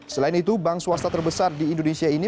selain itu bank swasta terbesar di indonesia ini